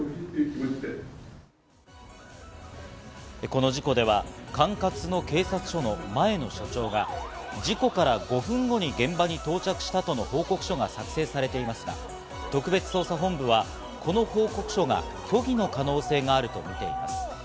この事故では管轄の警察署の前の署長が事故から５分後に現場に到着したとの報告書が作成されていますが、特別捜査本部はこの報告書が虚偽の可能性があるとみています。